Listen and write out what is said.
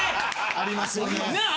ありますよね。なあ？